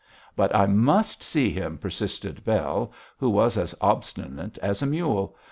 'But I must see him,' persisted Bell, who was as obstinate as a mule.